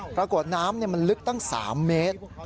ปรากฏน้ำมันลึกตั้ง๓เมตร